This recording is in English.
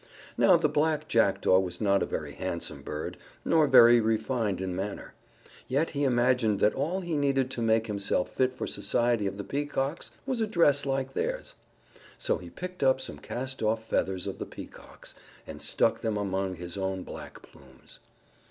Now the black Jackdaw was not a very handsome bird, nor very refined in manner. Yet he imagined that all he needed to make himself fit for the society of the Peacocks was a dress like theirs. So he picked up some castoff feathers of the Peacocks and stuck them among his own black plumes.